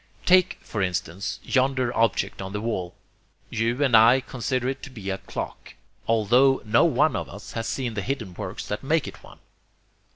Take, for instance, yonder object on the wall. You and I consider it to be a 'clock,' altho no one of us has seen the hidden works that make it one.